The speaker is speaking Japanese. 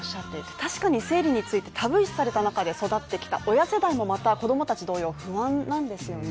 確かに生理についてタブー視された中で育ってきた親世代もまた子供たちも不安なんですよね。